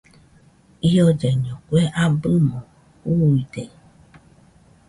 Iollaiño kue abɨmo juuide.